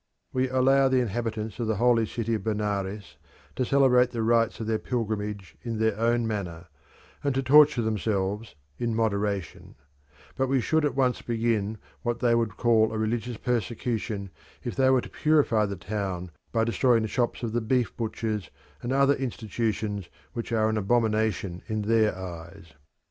We allow the inhabitants of the holy city of Benares to celebrate the rites of their pilgrimage in their own manner, and to torture themselves in moderation, but we should at once begin what they would call a religious persecution if they were to purify the town by destroying the shops of the beef butchers and other institutions which are an abomination in their eyes.